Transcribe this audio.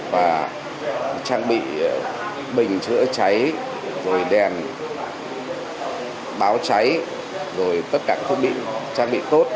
và trang bị bình chữa cháy rồi đèn báo cháy rồi tất cả các thiết bị trang bị tốt